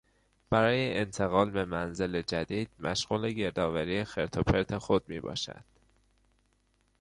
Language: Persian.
برای انتقال به منزل جدید مشغول گردآوری خرت و پرت خود میباشد.